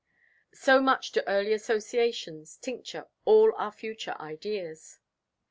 So much do early associations tincture all our future ideas.